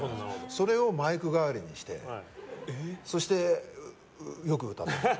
それをマイク代わりにしてそして、よく歌ってました。